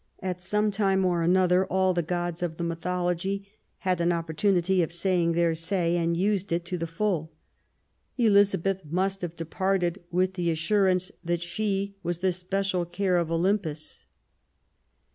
At some time or another all the Gods of the mythology had an opportunity of saying their say and used it to the full. Elizabeth must have departed with the assurance that she was the special care of Olympus.